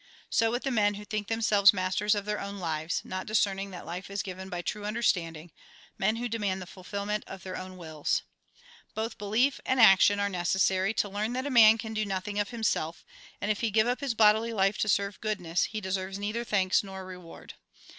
So with the men who think themselves masters of their own lives, not discern ing that life is given by true understanding ; men who demand the fulfilment of their own wills. Both belief and action are necessary, to learn that a man can do nothing of himself, and if he give up his bodily life to serve goodness, he deserves neither thanks nor reward.